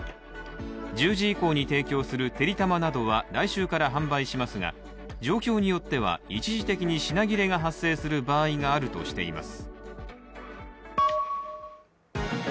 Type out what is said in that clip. １０時以降に提供するてりたまなどは来週から販売しますが状況によっては一時的に品切れが発生する場合があるとしています。